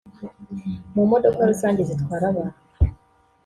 mu modoka rusange zitwara abantu